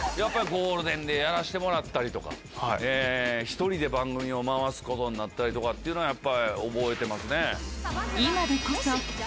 ゴールデンでやらせてもらったりとか１人で番組を回すことになったりっていうのは覚えてますね。